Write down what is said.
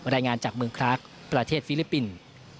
รายงานจากเมืองคลักประเทศฟิลิปปินส์